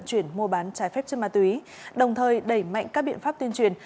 chuyển mua bán trái phép chất ma túy đồng thời đẩy mạnh các biện pháp tuyên truyền